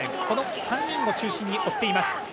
この３人を中心に追っています。